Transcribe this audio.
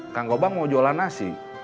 kang gobang mau jualan nasi